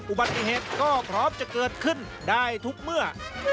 อุบัติเหตุก็พร้อมจะเกิดขึ้นได้ทุกเมื่อ